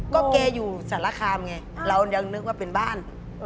ก็แกอยู่สารคามไงเรายังนึกว่าเป็นบ้าน